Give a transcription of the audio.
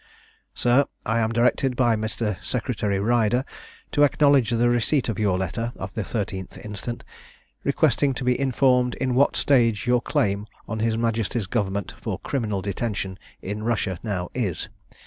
"'SIR, I am directed by Mr. Secretary Ryder to acknowledge the receipt of your letter of the 13th instant, requesting to be informed in what stage your claim on his majesty's government for criminal detention in Russia now is.